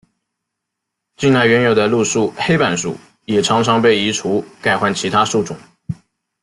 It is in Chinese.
近来原有的路树黑板树也常常被移除改换其他树种。